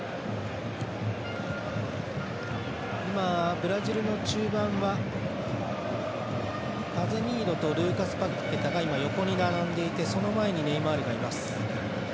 ブラジルの中盤はカゼミーロとルーカス・パケタが横に並んでいてその前にネイマールがいます。